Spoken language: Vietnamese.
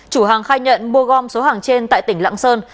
chủ hàng khai nhận mua gom số hàng trên tại tỉnh lạng sơn